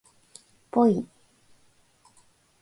ぽい